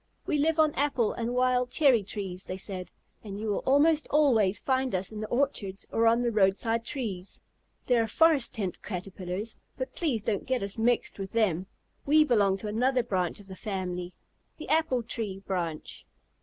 "We live on apple and wild cherry trees," they said, "and you will almost always find us in the orchards or on the roadside trees. There are Forest Tent Caterpillars, but please don't get us mixed with them. We belong to another branch of the family, the Apple Tree branch."